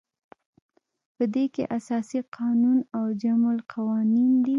په دې کې اساسي قانون او مجمع القوانین دي.